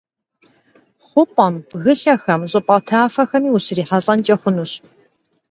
Xhup'em bgılhexemi ş'ıp'e tafexemi vuşrihelh'enç'e xhunuş.